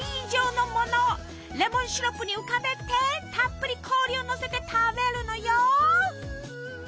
レモンシロップに浮かべてたっぷり氷をのせて食べるのよ！